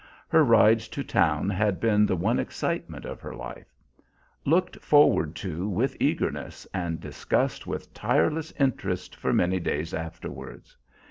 Her rides to town had been the one excitement of her life; looked forward to with eagerness and discussed with tireless interest for many days afterwards.